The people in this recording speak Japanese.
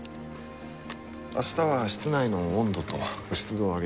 明日は室内の温度と湿度を上げて計測します。